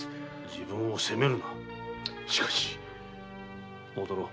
自分を責めるなしかし戻ろう。